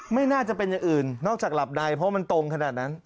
ไม่น่าจะเป็นอย่างอื่นนอกจากหลับใดเพราะมันตรงขนาดนั้น